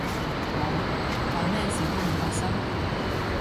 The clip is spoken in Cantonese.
冇，扮咩事都冇發生